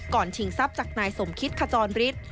ชิงทรัพย์จากนายสมคิตขจรฤทธิ์